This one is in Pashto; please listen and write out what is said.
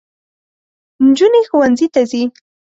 نجوني ښوونځۍ ته ځي